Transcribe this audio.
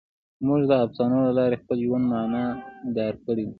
موږ د افسانو له لارې خپل ژوند معنیدار کړی دی.